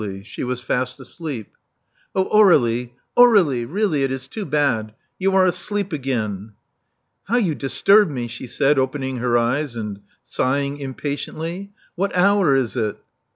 She was fast asleep. Oh, Aur^lie ! Aur^lie ! Really it is too bad. You are asleep again." How you disturb me!" she said, opening her eyes, and sighing impatiently. What hour is it?"